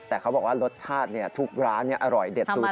แต่เขาบอกว่ารสชาตินี่ทุกร้านนี่อร่อยเด็ดสูสีกัน